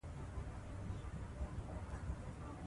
د ټولنې هر فرد د اخلاقو مسؤلیت لري.